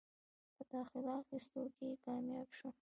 پۀ داخله اخستو کښې کامياب شو ۔